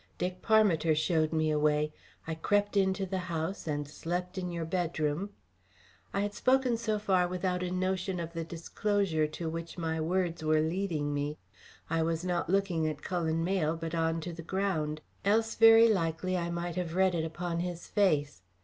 Dick Parmiter showed me a way. I crept into the house, and slept in your bedroom " I had spoken so far without a notion of the disclosure to which my words were leading me. I was not looking at Cullen Mayle, but on to the ground, else very likely I might have read it upon his face.